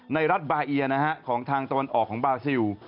รัฐบาเอียนะฮะของทางตะวันออกของบาซิล